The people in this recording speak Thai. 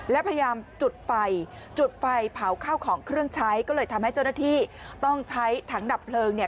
และพยายามจุดไฟจุดไฟเผาข้าวของเครื่องใช้ก็เลยทำให้เจ้าหน้าที่ต้องใช้ถังดับเพลิงเนี่ย